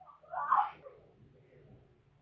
ห่องกววรอ